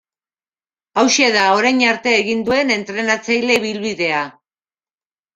Hauxe da orain arte egin duen entrenatzaile ibilbidea.